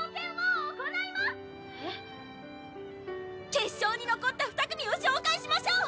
決勝に残った２組を紹介しましょう！